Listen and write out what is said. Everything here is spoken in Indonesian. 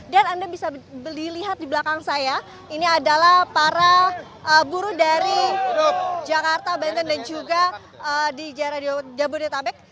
dan anda bisa melihat di belakang saya ini adalah para buruh dari jakarta banten dan juga di jabodetabek